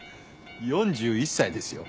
４１歳ですよ。